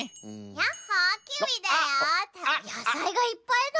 やさいがいっぱいだ。